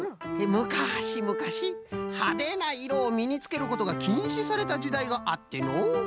むかしむかしはでないろをみにつけることがきんしされたじだいがあってのう。